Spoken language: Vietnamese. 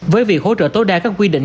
với việc hỗ trợ tối đa các quy định